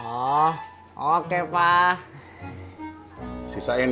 emang papa enggak mau makan bubur kacang ijo